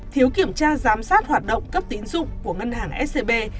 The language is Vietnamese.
thiếu kiểm tra giám sát hoạt động cấp tín dụng của ngân hàng scb